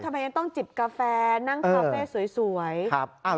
ทำไมยังต้องจิบกาแฟนั่งคาเฟ่สวย